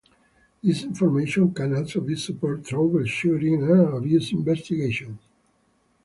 This information can also support troubleshooting and abuse investigations.